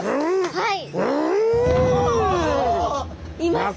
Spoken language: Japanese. はい。